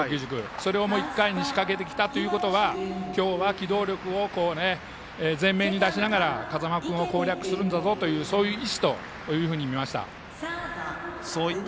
それが、１回に仕掛けてきたということは今日は機動力を前面に出しながら風間君を攻略するんだぞとそういう意志というふうにみました。